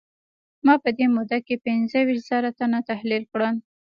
ما په دې موده کې پينځه ويشت زره تنه تحليل کړل.